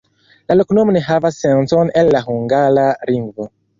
La loknomo ne havas sencon el la hungara lingvo.